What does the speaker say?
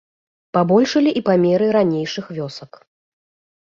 Пабольшалі і памеры ранейшых вёсак.